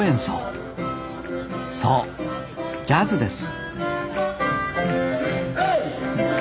そうジャズです